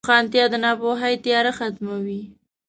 روښانتیا د ناپوهۍ تیاره ختموي.